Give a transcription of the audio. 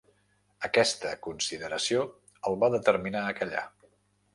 Aquesta consideració el va determinar a callar.